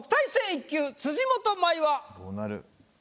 １級辻元舞は。